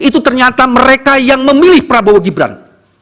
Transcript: itu ternyata mereka yang memilih prabowo gibran